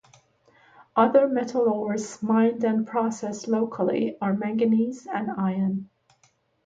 Other metal ores mined and processed locally are manganese and iron.